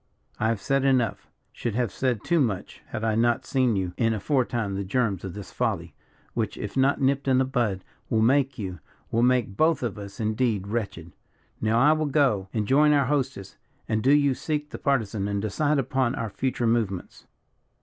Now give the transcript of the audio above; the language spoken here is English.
I have said enough should have said too much had I not seen in you aforetime the germs of this folly, which, if not nipped in the bud, will make you, will make both of us indeed wretched. Now I will go and join our hostess; and do you seek the Partisan and decide upon our future movements."